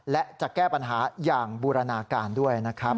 และจะแก้ปัญหาอย่างบูรณาการด้วยนะครับ